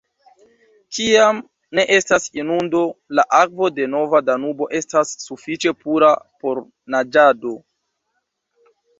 Kiam ne estas inundo, la akvo de Nova Danubo estas sufiĉe pura por naĝado.